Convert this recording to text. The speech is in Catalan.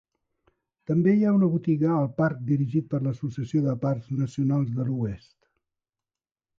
També hi ha una botiga al parc dirigit per l'Associació de Parcs Nacionals de l'Oest.